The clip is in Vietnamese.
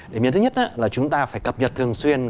điểm nhấn thứ nhất là chúng ta phải cập nhật thường xuyên